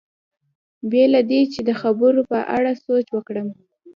بې له دې چې د خبرو په اړه سوچ وکړم.